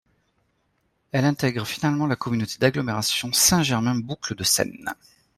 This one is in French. Elle intègre finalement la communauté d'agglomération Saint-Germain Boucles de Seine.